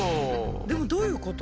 でもどういうこと？